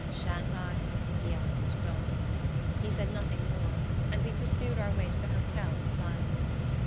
"Sha'n't I?" he asked, dully. He said nothing more, and we pursued our way to the hotel in silence.